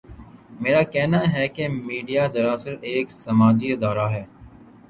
میرا کہنا ہے کہ میڈیا دراصل ایک سماجی ادارہ ہے۔